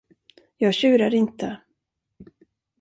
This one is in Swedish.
Jag tjurar inte.